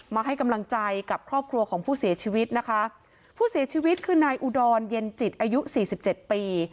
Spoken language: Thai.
มาให้กำลังใจกับครอบครัวของผู้เสียชีวิตนะคะผู้เสียชีวิตคือนายอุดรเย็นจิตอายุสี่สิบเจ็ดปี